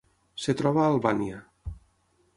Es troba a Albània.